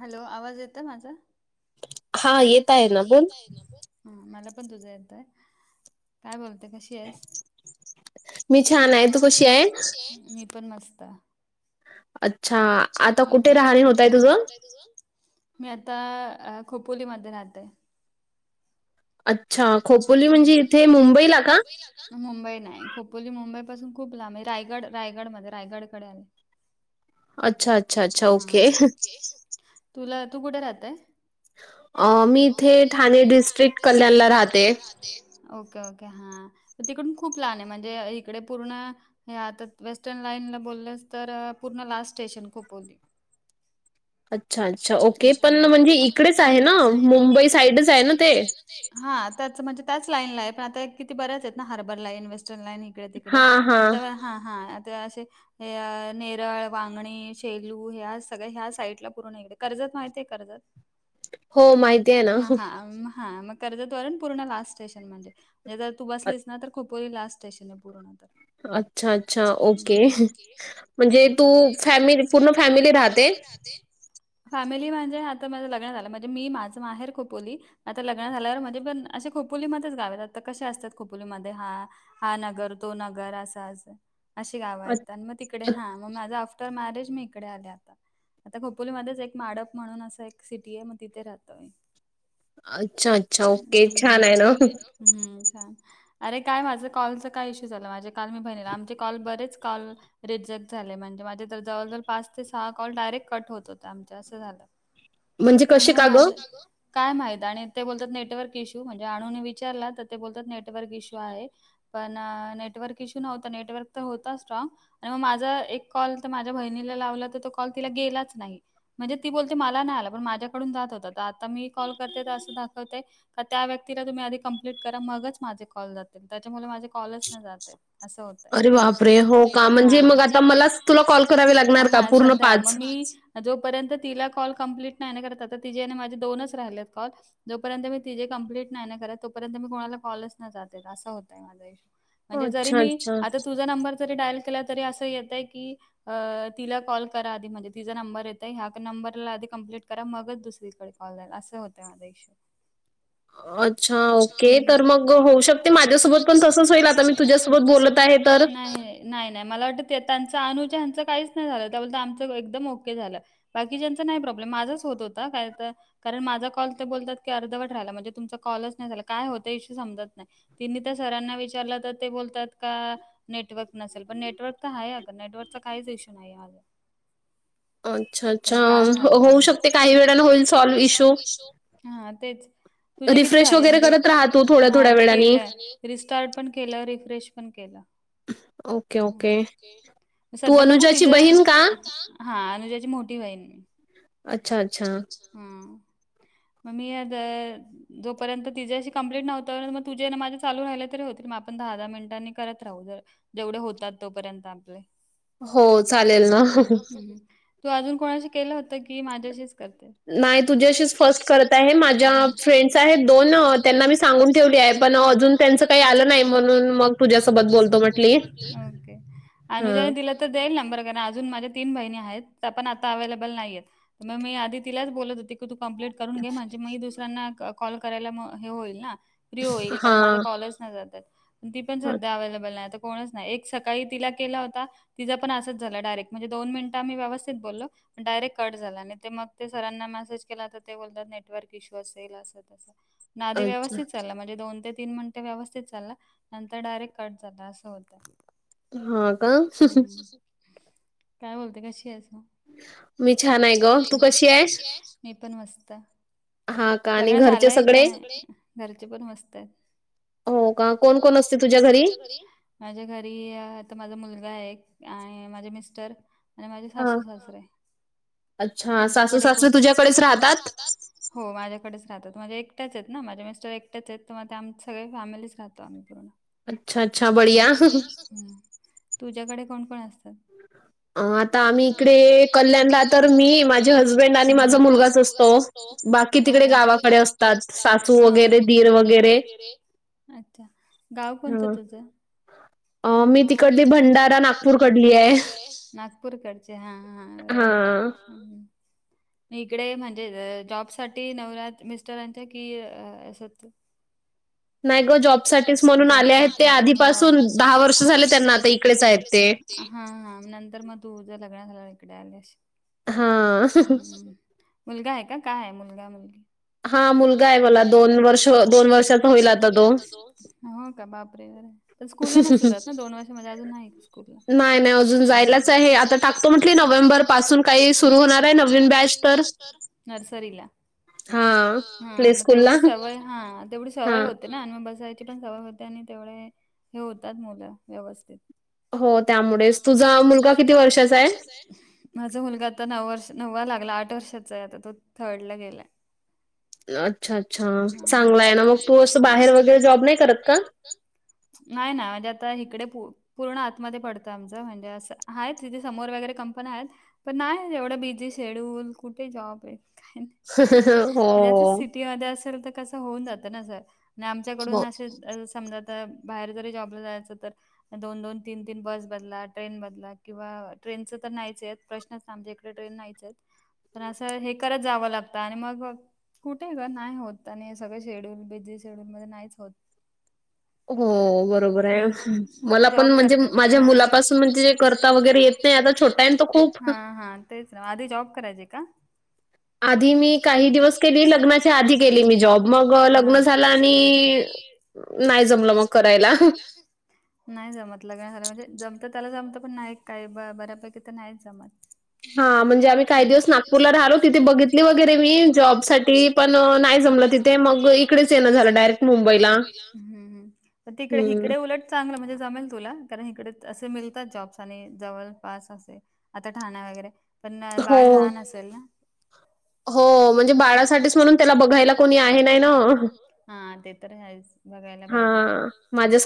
Hello आवाज येत माझा? हा येल. [unintelligible] हा येतय ना मला पण तुझा येतय. काय बोलते कशी आहेस मी छान आहे तू कशी आहे मी पण मस्त. अच्छा आता कुठे राहणी होतय तुझं? तुझं? मी आता आ खोपोलीमध्ये राहते. अच्छा खोपोली म्हणजे इथे मुंबईला का? मुंबई नाही खोपोली मुंबई पासून खूप लांब आहे रायगड रायगडमध्ये रायगडकडे आल. अच्छा आ. अच्छा अच्छा अच्छा ओके तुला तू कुठे राहतय? आ मी इथे ठाणे डिस्ट्रिक्ट कल्याणला राहते. ओे ओके हा तिकडून खूप लांब आहे म्हणजे इकडे पूर्ण हे आता वेस्टर्न लाईन ला बोललंस तर पूर्ण लास्ट स्टेशन कोपोली. अच्छा अच्छा ओके पण म्हणजे इकडेच आहे ना मुंबई साईडच आहे ना ते? हा त्याच म्हणजे त्याच लाईन ला आहे पण आता किती बऱ्याच आहेत ना हार्बर लाईन वेस्टर्न लाईन. तिकडे तिकडे पण हा हा आत्ता असे या नेरळ वांगणी शेलू ह्या सगळ्या ह्या साईडला पूर्ण इकडे कर्जत माहिती हे कर्जत हो माहिती आहे हा म हा म कर्जत वरून पूर्ण लास्ट स्टेशन म्हणजेे तू बसलीस ना तर खोपोली लास्ट स्टेशन आहे पूर्ण तर. अच्छा अच्छा ओके म्हणजे तू फॅमि तू पूर्ण फॅमिली राहते? फॅमिली म्हणजे आता माझ लग्न झालं म्हणजे मी माझं माहेर खपोली. आता लग्न झाल्यावर म्हणजे पण असे खोपोलीमध्ये च गावेत आता कसे असतात खोपोलीमध्ये हा. हा नगर तो नगर असाच अशी गावं आहेत आणि मग तिकडे हा मग माझा तर [unintelligible] मॅरेज मी इकडे आले आता आता खोपोलीमध्ये च एक. माडप म्हणून असं एक सिटी आहे मग तिथे राहतोय. अच्छा अच्छा ओके छान आहे ना? हम्म छान. अरे काय माझं कॉलचं काय इशू झालं माझे काल मी बनेल [unintelligible] आमचे कॉल बरेच कॉल. रिजेक्ट झाले म्हणजे माझे तर जवळजवळ पाच ते सहा कॉलडायरेट कट होत होता. अस झालं आणि मग माझ [unintelligible] ग काय माहित आणि ते बोलतात नेटवर्क इश्यू म्हणजे आणूनी विचारला तर ते बोलतात नेटवर्क इश्यू आहे. पण नेटवर्क इश्यू नव्हता नेटवर्क तर होता स्ट्राँग. आणि मग माझा एक कॉल तर माझ्या बहिणीला लावला तर तो कॉल तिला गेलाच नाही. म्हणजे ती बोलते मला नाही आला पण माझ्याकडून जात होत तर आता मी कॉल करते तर असं दाखवते का त्या व्यक्तीला तुम्ही आधी कंप्लीट करा मगच माझे कॉल जातील त्याच्यामुळे माझे कॉलच नाही जात हे. असं होतय अरे बापरे आता म्हणजे मला च तुला सध्या मग मी. जोपर्यंत तिला कॉल कम्प्लीट नाही करत आता ति जे माझे दोनच राहिलेत कॉल. जोपर्यंत मी ति जे कंप्लीट नाही ना खर तोपर्यंत मी कोणाला कॉलच न जातेेत असं होतय माझा इशू. म्हणजे जरी मी [unintelligible] आत्ता तुझा नंबर जरी डायल केला तरी अस येतय की आ तिला कॉल करा आधी म्हणजे तिचा नंबर येत. आत्ता ह्या नंबरला आधी कंप्लीट करा मगच दुसरीकडे कॉल जाईल असं होत माझा इश्यू. अच्छा ओके तर मग होऊ शकते माझ्यासोबत पण तसच होईल आता मी तुझ्यासोबत. [unintelligible] बोलत नाही [unintelligible] [inaudible] नाही नाही मला वाटतं ते त्यांचं अनुजानांचा काहीच नाही झालं त्या बोलता आमचं एकदम ओके झालं. बाकी ज्यांचा नाही प्रॉब्लेम माझाच होतं होता काय तर कारण माझा कॉल ते बोलतात की अर्धवट राहिला म्हणजे तुमचा कॉलच नाही झाला काय होतं इशू समजत नाय. तिनी तर सरांना विचारलं तर ते बोलतात का नेटवर्क नसेल पण नेटवर्क क हाय अगं नेटवर्कचा काहीच इशू नाही माझा. पण काय माहित काय होईल, होऊ शकते काही वेळाने होईल सल्वे इशू हा तेच तुझ्या किती झाले म्हणजे हा केलंय. रिस्टार्ट पण केला, रिफ्रेश पण केला. हम्म ओके ओके सध्या बघू तिजं तू अनुजाची बहिण का? हा, अनुज्याची मो इन अच्छा अच्छा हां म मी आदा जोपर्यंत तीजाशी कंप्लीट नव्हतं तर मग तुझे अन माझं चालू राहिलं तरी होतील म आपण दहा-दहा मिनिटांनी करत राहू जर जेवढे होतात तोपर्यंत आपले. हो चालेल ना. हम्म हम्म. तू अजून कोणाशी केलं होतं, की माझ्याशीच करते? नाही तुझ्याशीच फर्स्ट करत आहे हां माझ्या फ्रेंड्स आहेत दोन त्यांना मी सांगून ठेवली आहे पण म अजुन त्यांच काही आलं नाही, म्हणून मग तुझ्या सोबत बोलतो म्हटली ओके अनुजाने दिलेत तर देईन नंबर वगैरे, अजून माझ्या तीन बहिणी आहेत त्या पण आ ता अवेलेबल नाहीये मग मी आदी तिलाच बोलत होते की तू कम्प्लीट करून घे म्हणजे म ही दुसऱ्यांना क कॉल करायला मग हे होईल ना, फ्री होईल कारण माझा कॉलच नाय जात्यात. ती पण, सध्या अवेलेबल नाय त कोणच नाही एक सकाळी तिला केला होता, तिचं पण असंच झालं डायरेक्ट म्हणजे दोन मिनटं आम्ही व्यवस्थित बोललो डायरेक्ट कट झाला आणि ते मग ते सरांना मेसेज केला, तर ते बोलतात नेटवर्क इश्यू असेल असं तसं ना आदी व्यवस्थित चालला, मग दोन ते तीन मन ते व्यवस्थित चालला नंतर डायरेक्ट कट झाला असं होतंय. हा का हम्म काय बोलते? कशीयेस मग? मी छान है गं, तू कशी ए? मी पण मस्तं. आणि घरचे सगळे? लग्न झालंय का? घरचे पण मस्त ए. हो, का? कोण-कोण असतं तुझ्या घरी? माझ्या घरी आता, माझा मुलगा ए आणि माझे मिस्टर. आणि माझे सासू सासरे. तुमच्याकडे कोण? मग सासू सासरे तुझ्याकडेच राहतात? हो, माझ्याकडेच राहतात. म्हणजे एकटेच ना माझे मिस्टर एकटेचेत तर मग ते आम्ही सगळे फॅमिलीच राहतो. आम्ही पूर्ण. अच्छा-अच्छा, बढिया. [inaudible] तुझ्याकडे कोण कोण असता? अं.. आता आम्ही इकडे कल्याणला तर मी, माझे हजबंड आणि माझा मुलगाच असतो. बाकी तिकडे गावाकडे अस असतात सासू वगैरे, दीर वगैरे. अच्छा, गाव कोणतं तुझं? मी तिकडली, भंडारा नागपूरकडली ए. पूरकडचे हा.. हा, बरोबर. हां. इकडे म्हणजे जॉब साठी नवरा मिस्टरांच्या की, असंच नाही गं जॉब साठी म्हणून आले. आधीपासून दहा वर्ष झाले त्यांना, आता इकडेच आहेत ते. हा.. हा, नंतर मग तूझं लग्न झाल्यावर, इकडे आली असशील. हां. हम्म्. मुलगा ए का? काय ए? मुलगा-मुलगी? हा, मुलगा आहे मला. दोन वर्ष, दोन वर्षाचा होईल आता तो. हो का? बापरे! आरे. पण स्कूलला नसेल जात ना, दोन वर्ष म्हणजे अजून नाहीच स्कूलला. नाही-नाही, अजून जायलाच आहे आ तर टाकतो म्हटली. नोव्हेंबर पासून काही सुरू होणार आहे, नवीन बॅच तर. नर्सरीला. हा, मग तेवढीच सवय. हा तेवढी सवय होत ते ना, आणि मग बसायची पण सवय होते, आणि तेवढे हे होतात मुलं, व्यवस्थित. हो, त्यामुळेच. तुझा मुलगा किती वर्षाचा आहे? माझा मुलगा आता, नऊ वर्ष. नववा लागला. आठ वर्षाचा आहे. आता तो थर्ड ला गेलाय. अच्छा-अच्छा, चांगला आहे ना मग. तू असं बाहेर वगैरे जॉब नाही करत का? नाही ना, म्हणजे आता इकडे पू पूर्ण आतमध्ये पडतं आमचं, म्हणजे असं. आहेत तिथे समोर, वगैरे कंपन्या आहेत. पण नाही एवढा बिझी शेड्यूल, कुठे जॉब आहे? ह्ं हं ह. हो. ती अद्या असेल तर कसं होऊन जातना असं, नाय आमच्याकडून असच समजा तर बाहेर जरी जॉबला जायचं तर मग दोन-दोन, तीन-तीन बस बदला, ट्रेन बदला, किंवा ट्रेनचं तर नाहीच आहेत. प्रश्नच नाय, आमचे इकडे ट्रेन नाहीच आहेत. पण असं हे करत जावं लागतं आणि मग कुठे गं, नाही होत आणि सगळे शेड्यूल, बिझी शेड्यूलमध्ये नाहीच होत. हं. तू जॉब करते, हा माझ्या मुलापासून म्हणजे करता व वगैरे येत नाही, आता छोटा आहे तो, हा हा, तेच ना. आधी जॉब करायची का? आधी मी काही दिवस दिवस केली लग्नाची आधी केली मी जॉब म हा लग्न झालं आणि नाही जमलं मग करायला हं नाही जमत लग्न झालं म्हणजे, जमतं त्याला जमतं. पण नाही काही ब-बऱ्यापैकी तर नाही जमत. हां म्हणजे आम्ही काही दिवस नागपूरला राहिलो तिथे बघितली वगैरे मी जॉब. जॉब साठी, पण नाही जमलं तिथे. मग इकडेच येणं झालं डायरेक्ट मुंबईला. हं हं. तिकडे. हिकडे उलट चांगलं म्हणजे जमेल तुला. कारण हिकडे असे मिळतात जॉब्स आणि जवळ पास असे आता ठाणा वगैरे, पण बाळ लहान असेल ना? हो म्हणजे बाळा म्हणजे बाळासाठीच म्हणून. त्याला बघायला कोणी आहे नाही ना. हा ते तर आहेच, बघायला पाहिजे. हा.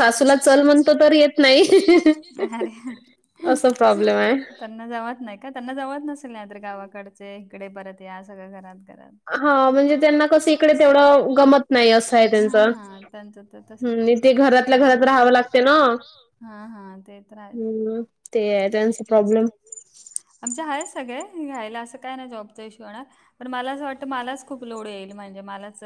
माझ्या सासूला चल म्हणतो तर येत नाही. हा अरे हा. असा प्रॉब्लेम आहे. त्यांना जावत नाही का? त्यांना जावात नसेल नाहीतर. गावाकडचे इकडे परत या सगळं घरात घरात. हा. म्हणजे त्यांना कसं, इकडे तेवढं गमत नाही. असं आहे त्यांचं. हा त्यांच तर तस. तेच ते घरातल्या घरात राहावं लागते ना. हा ते तर आहेच- ते आहे त्यांचा प्रॉब्लेम. आमच्यात हाय सगळे राहायला. असं काय नाय जॉबचा इश्यू होणार पण मला असं वाटतं मलाच खूप लोड येईल. म्हणजे मलाच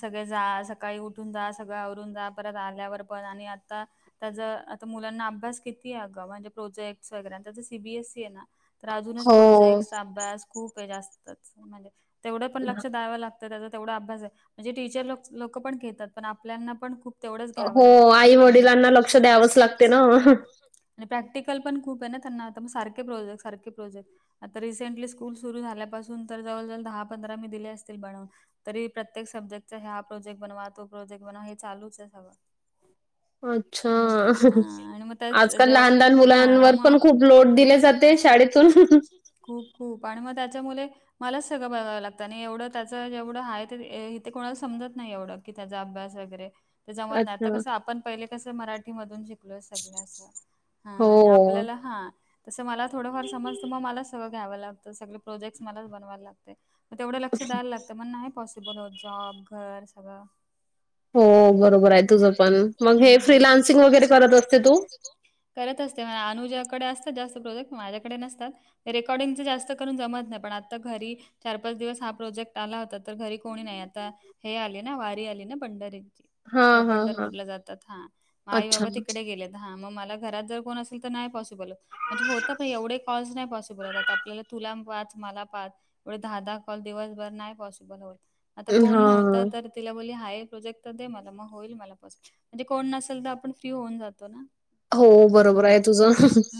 सगळे जा. सकाळी उठून जा, सगळं आवरून जा, परत आल्यावर पण आणि आता त्याचा आता मुलांना अभ्यास किती आहे अ गं. म्हणजे प्रोजेक्ट सगळ्यांचं सी. बी. एस. सी. आहे ना, तर अजूनच प्रोजेक्टस, अभ्यास खूप आहे जास्तच. म्हणजे तेवढं पण लक्ष द्यावं लागतं तर त्याचा तेवढा अभ्यास आहे. म्हणजे टीचर लो-लोक पण घेतात. पण आपल्याना पण खूप तेवढंच‌ घ्याव लागत. हो आई वडिलांना लक्ष द्यावाच लागत ना. आणी प्रॅक्टिकल पण खूप आहे ना त्यांना आता मग सारखे प्रोजेक्ट सारखे प्रोजेक्ट आता रिसेंटली स्कूल सुरू झाल्यापासून तर जवळजवळ दहा पंधरा मी दिले असतील बनवून तरी प्रत्येक सब्जेक्टचा हा प्रोजेक्ट बनवा तो प्रोजेक्ट बनवा हे चालूच आहे सगळं. अच्छा, आजकाल लहान लहान मुलां वर पण खूप लोड दिले जाते शाळेतून. खूप खूप आणि मग त्याच्यामुळे मलाच सगळं बघावं लागतं आणि एवढं त्याच जेवढं आहे ते इथे कोणाला समजत नाही एवढं कि त्याचा अभ्यास वगैरे ते जमत नाही आता कसं आपण पहिले कसं मराठी मधून शिकलो सगळ असं हा आणि आपल्याला हा तसं मला थोडंफार समजतं मग मला सगळं घ्यावं लागतं सगळे प्रोजेक्टस मला बनवायला लागते म तेवढं लक्ष द्यायला लागतं मग नाही पॉसिबल होत जॉब, घर सगळं हो बरोबर आहे तुझं पण. मग हे फ्रीलान्सिंग वगैरे करत असते तू? करत असते पण अनुजाकडे असतात जास्त प्रोजेक्ट माझ्याकडे नसतात हे रेकॉर्डिंगच जास्त करून जमत नाही पण आता घरी चार पाच दिवस हा प्रोजेक्ट आला होता, तर घरी कोणी नाही आता हे आले ना वारी आली ना पंढरीची अह पंढरपूरला जातात हा, म आई बाबा तिकडे गेलेत हा मग मला घरात जर कोण असेल तर नाही पॉसि बल म्हणजे होत पण एवढे कॉल्स नाही पॉसिबल होत. आता आपल्याला तुला पाच मला पाच एवढे दहा दहा कॉल दिवसभर नाही पॉसिबल होत. आता कोण नव्हतं तर तिला बोलली आहे प्रोजेक्ट तर दे मला मग होईल मला पॅसिबल म्हणजे कोण नसेल तर आपण फ्री होऊन जातो ना हा हा.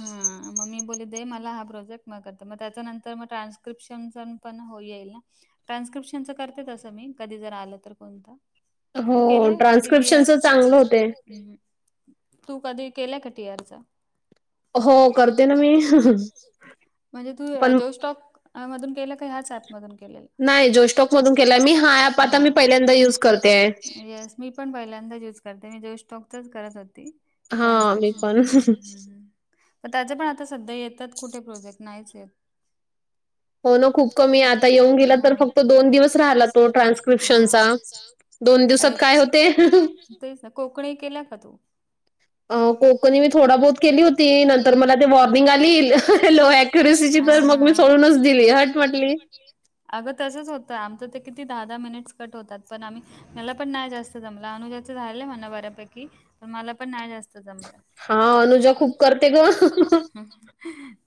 अह म मी बोलली दे मला हा प्रोजेक्ट मग करत मग त्याच्यानंतर मग ट्रान्स्क्रिप्शनचा पण हो येईल ना ट्रान्स्क्रिप्शनचं करते तसं मी कधी जर आलं तर कोणत तू केलय कधी टी आर, ट्रान्स्क्रिपशन च चांगल होतंय मग तू कधी केलय का टिआरच हो करते ना मी. म्हणजे तू जो स्टाॅक अह मधून केलय का ह्याच ऍप मधून केलेय? नाही जोश टॉक मधून केलाय मी हा ऍप आता मी पहिल्यांदा युज करतेय मी पण पहिल्यांदाच यूज करतेय. मी जोश स्टॉकचाच करत होती हा मी पण हम्म हम्म त्याचे पण आता सध्या येतात कुठे प्रोजेक्ट, नाहीच येत. हो ना, खूप कमी आता येऊन गेला तर फक्त दोन दिवस राहला तो ट्रान्स्क्रिप्शनचा दोन दिवसात काय होते तेच ना कोकणी केलाय का तू? अह कोकणी मी थोडा बहुत केली होती नंतर मला ते वॉर्निंग आली [unintelligible] [unintelligible] तर मग मी सोडूनच दिली. हट म्हटली अगं तसंच होतं आमचं तर किती दहा दहा मिनिट्स कट होतात पण आम्ही मला पण नाही जास्त जमला अनुजाच झालंय म्हणा बऱ्यापैकी पण मला पण नाही जास्त हा अनुजा खूप करते ग.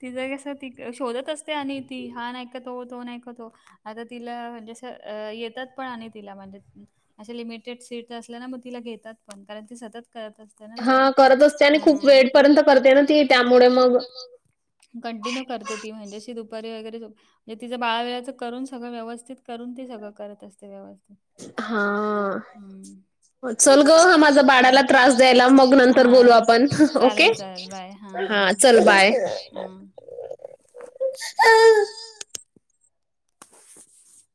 तिचं कस ती शोधत असते आणि ती हा नाही का तो, तो नाही का तो आता तिला म्हणजे येतात पण आणि तिला म्हणजे अशे लिमिटेड सीट असल्या ना मग तिला घेतात पण कारण ती सतत करत असते ना ते. हा करत असते खूप वेळ पर्यंत करते ना ती त्यामुळे मग, कंटिन्यू क करते ती [inaudible] दुपारी वगैरे झोप तिच बाळाबिळाच करून सगळ व्यवस्थित करून ती सगळ करत असते व्यवस्थित हां चल ग हं माझा बाळाला त्रास द्यायला मग न तर बोलु आपण ओके हां चल बाय हम [inaudible] ह [inaudible]